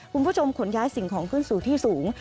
คุณผู้ชมขนย้ายสิ่งของขึ้นสู่ที่สูง